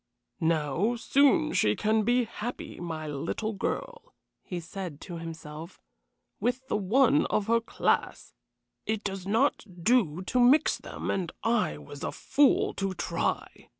"Now, soon she can be happy my little girl," he said to himself, "with the one of her class. It does not do to mix them, and I was a fool to try.